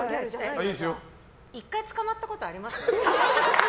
１回捕まったことあります？